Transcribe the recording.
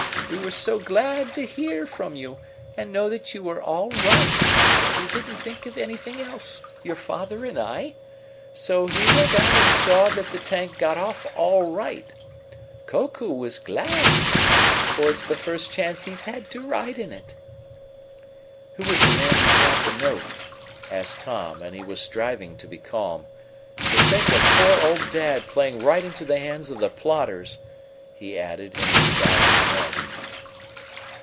We were so glad to hear from you, and know that you were all right, that we didn't think of anything else, your father and I. So he went out and saw that the tank got off all right. Koku was glad, for it's the first chance he'd had to ride in it." "Who was the man who brought the note?" asked Tom, and he was striving to be calm. "To think of poor old dad playing right into the hands of the plotters!" he added, in an aside to Ned.